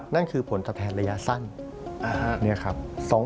นั่นคือผลตอบแทนระยะสั้น